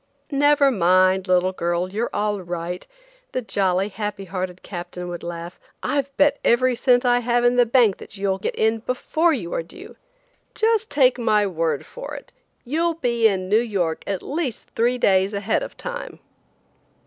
"Never mind, little girl, you're all right," the jolly, happy hearted captain would laugh. "I've bet every cent I have in the bank that you'll get in before you are due. Just take my word for it, you'll be in New York at least three days ahead of time."